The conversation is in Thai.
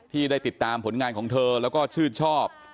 ที่ได้ติดตามผลงานของเธอแล้วก็ชื่นชอบ